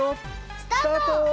スタート！